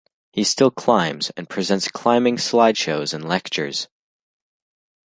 He still climbs, and presents climbing slide shows and lectures.